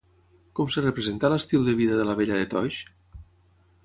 Com es representa l'estil de vida de la vella de Toix?